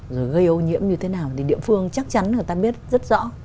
rồi gây ô nhiễm như thế nào thì địa phương chắc chắn người ta biết rất rõ